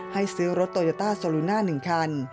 ให้ซื้อรถโตโยต้าโซลูน่า๑คัน